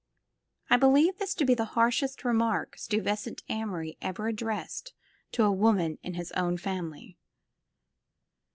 I believe this to be the harshest remark Stuyvesant Amory ever addressed to a woman of his own family.